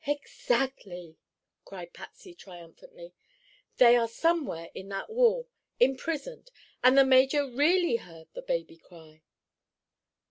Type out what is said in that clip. "Exactly!" cried Patsy triumphantly. "They are somewhere in that wall, imprisoned, and the major really heard the baby cry."